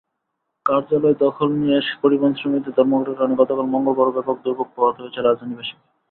কার্যালয় দখল নিয়ে পরিবহনশ্রমিকদের ধর্মঘটের কারণে গতকাল মঙ্গলবারও ব্যাপক দুর্ভোগ পোহাতে হয়েছে রাজধানীবাসীকে।